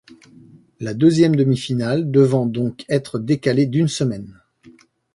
La deuxième demi-finale devant donc être décalée d'une semaine.